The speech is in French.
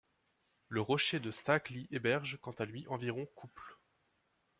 Le rocher de Stac Lee héberge quant à lui environ couples.